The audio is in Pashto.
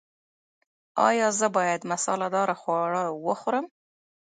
ایا زه باید مساله دار خواړه وخورم؟